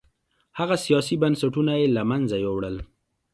هغه سیاسي بنسټونه یې له منځه یووړل